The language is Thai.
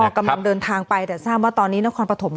กำลังเดินทางไปแต่ทราบว่าตอนนี้นครปฐม